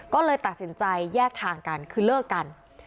ก็เลยตัดสินใจแยกทางกันคือเลิกกัน